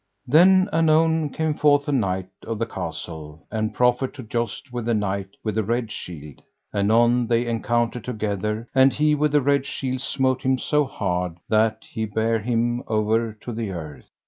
Then anon came forth a knight of the castle, and proffered to joust with the Knight with the Red Shield. Anon they encountered together, and he with the red shield smote him so hard that he bare him over to the earth.